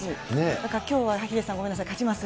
だからきょうはヒデさん、ごめんなさい、勝ちます。